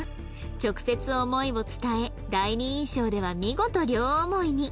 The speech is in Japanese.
直接思いを伝え第二印象では見事両思いに